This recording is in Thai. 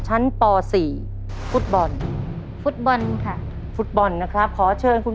ชั้นปำสี่ฟุตบอลฟุตบอลค่ะฟุตบอลนะครับขอเชิญคุณ